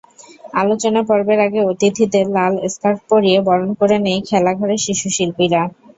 আলোচনা পর্বের আগে অতিথিদের লাল স্কার্ফ পরিয়ে বরণ করে নেয় খেলাঘরের শিশুশিল্পীরা।